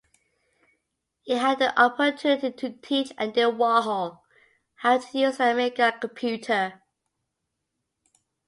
He had the opportunity to teach Andy Warhol how to use the Amiga computer.